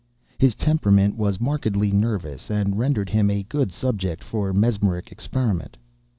His temperament was markedly nervous, and rendered him a good subject for mesmeric experiment.